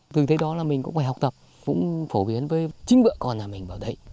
từ thế đó là mình cũng phải học tập cũng phổ biến với chính vợ con nhà mình vào đấy